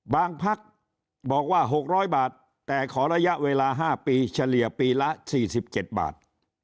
บางพักบอกว่าหกร้อยบาทแต่ขอระยะเวลาห้าปีเฉลี่ยปีละสี่สิบเจ็ดบาท